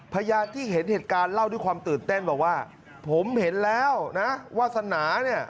พยานที่เห็นเหตุการณ์เล่าด้วยความตื่นเต้นบอกว่าผมเห็นแล้วนะวาสนาเนี่ย